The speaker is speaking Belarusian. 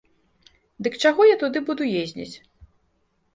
Дык чаго я туды буду ездзіць?